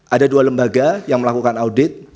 ada dua lembaga yang melakukan audit